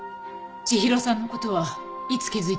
千尋さんの事はいつ気づいたの？